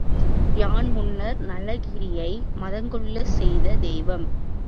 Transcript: யான் முன்னர் நளகிரியை மதங்கொள்ளச் செய்த தெய்வம்.